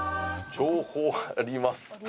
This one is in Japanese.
「情報あります！」。